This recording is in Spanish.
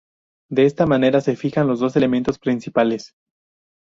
De esta manera se fijan los dos elementos principales.